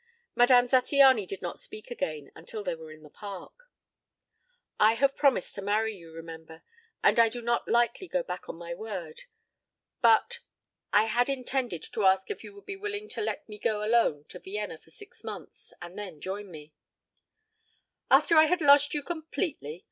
Madame Zattiany did not speak again until they were in the Park. "I have promised to marry you, remember; and I do not lightly go back on my word. ... But ... I had intended to ask if you would be willing to let me go alone to Vienna for six months and then join me " "After I had lost you completely!